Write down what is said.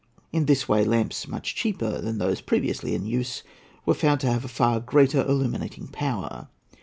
In this way lamps much cheaper than those previously in use were found to have a far greater illuminating power.